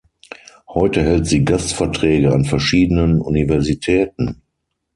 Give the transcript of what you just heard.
Heute hält sie Gastvorträge an verschiedenen Universitäten.